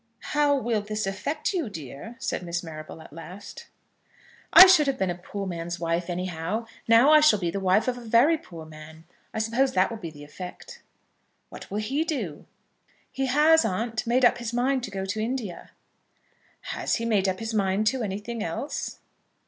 "How will this affect you, dear?" said Miss Marrable at last. "I should have been a poor man's wife any how. Now I shall be the wife of a very poor man. I suppose that will be the effect." "What will he do?" "He has, aunt, made up his mind to go to India." "Has he made up his mind to anything else?"